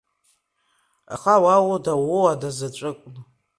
Аха уа уда ууада заҵәын…